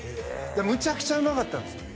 むちゃくちゃうまかったんです